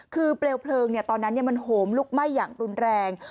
คือเปลวเพลิงตอนนั้นมันโหมลุกไหม้อย่างรุนแรง